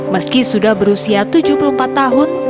meski sudah berusia tujuh puluh empat tahun